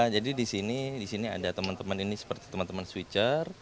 jadi disini ada teman teman ini seperti teman teman switcher